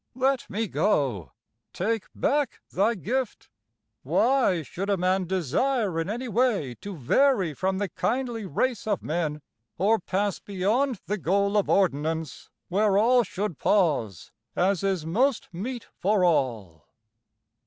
Let me go: take back thy gift: Why should a man desire in any way To vary from the kindly race of men, Or pass beyond the goal of ordinance Where all should pause, as is most meet for all?